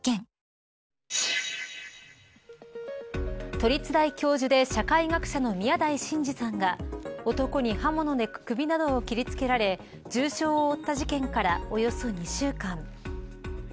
都立大教授で社会学者の宮台真司さんが男に刃物で首などを切りつけられ重傷を負った事件からおよそ２週間。